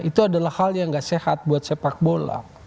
itu adalah hal yang gak sehat buat sepak bola